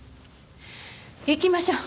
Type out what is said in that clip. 行きましょう。